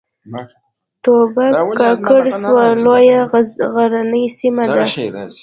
توبه کاکړۍ سوه لویه غرنۍ سیمه ده